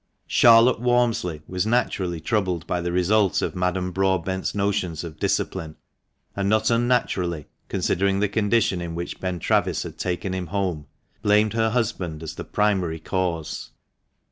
Charlotte Walmsley was naturally troubled by the result of Madame Broadbent's notions of discipline, and not unnaturally (considering the condition in which Ben Travis had taken him home) blamed her husband as the primary cause.